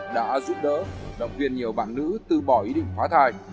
đã giúp đỡ động viên nhiều bạn nữ từ bỏ ý định phá thai